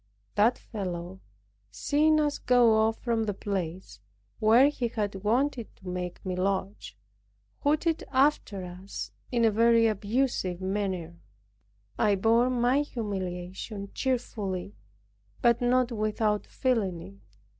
That fellow, seeing us go off from the place, where he had wanted to make me lodge, hooted after us in a very abusive manner. I bore my humiliation cheerfully, but not without feeling it.